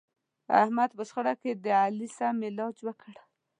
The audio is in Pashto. احمد په شخړه کې د علي سم علاج وکړ.